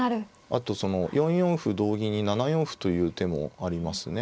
あとその４四歩同銀に７四歩という手もありますね。